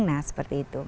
nah seperti itu